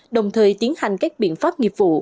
đồng thời tiến hành các biện pháp nghiệp vụ